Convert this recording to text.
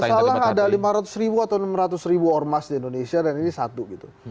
tidak salah ada lima ratus ribu atau enam ratus ribu ormas di indonesia dan ini satu gitu